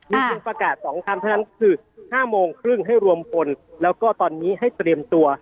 มีเพียงประกาศ๒คำเท่านั้นคือ๕โมงครึ่งให้รวมคนแล้วก็ตอนนี้ให้เตรียมตัว